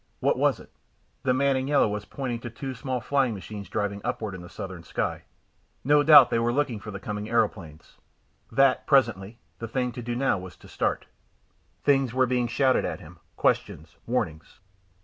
What was it? The man in yellow was pointing to two small flying machines driving upward in the southern sky. No doubt they were looking for the coming aeroplanes. That presently the thing to do now was to start. Things were being shouted at him, questions, warnings.